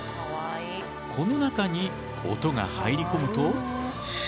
この中に音が入り込むと。